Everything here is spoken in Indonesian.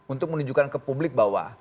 untuk menunjukkan ke publik bahwa